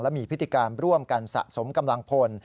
มีพฤติการร่วมกันสะสมกำลังพล